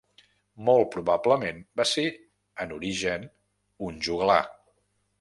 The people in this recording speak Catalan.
Molt probablement va ser en origen un joglar.